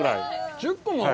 １０個も？